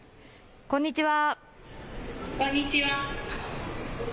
こんにちは。